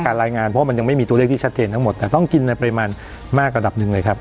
รายงานเพราะมันยังไม่มีตัวเลขที่ชัดเจนทั้งหมดแต่ต้องกินในปริมาณมากระดับหนึ่งเลยครับ